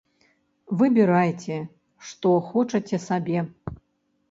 Выбірайце, што хочаце сабе.